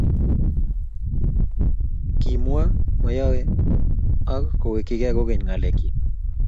Kimwa Mayowe ak kowekyikei kokeny ng'alekchich